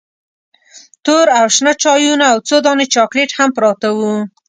تور او شنه چایونه او څو دانې چاکلیټ هم پراته وو.